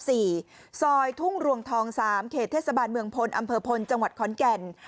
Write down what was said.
ซอยทุ่งรวงทอง๓เขตเทศบาลเมืองพลอำเภอพลจังหวัดขอนแก่น